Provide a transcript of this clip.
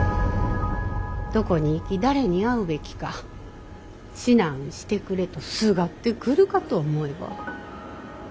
どこに行き誰に会うべきか指南してくれとすがってくるかと思えば。